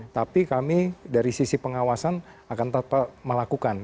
tapi kami dari sisi pengawasan akan tetap melakukan